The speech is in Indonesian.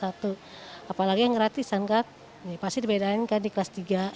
apalagi yang gratisan kak pasti dibedain kan di kelas tiga